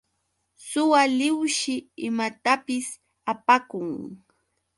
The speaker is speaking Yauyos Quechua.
Suwa lliwshi imatapis apakun.